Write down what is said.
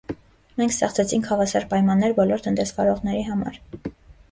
Մենք ստեղծեցինք հավասար պայմաններ բոլոր տնտեսվարողների համար: